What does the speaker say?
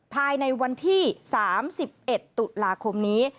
ภายในวันที่๓๑ตุลาคมนี้